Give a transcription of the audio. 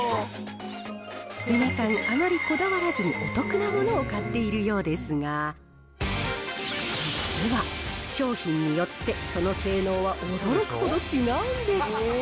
皆さん、あまりこだわらずにお得なものを買っているようですが、実は、商品によってその性能は驚くほど違うんです。